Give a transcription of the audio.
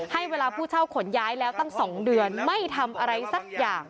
ให้เวลาผู้เช่าขนย้ายแล้วตั้ง๒เดือนไม่ทำอะไรสักอย่าง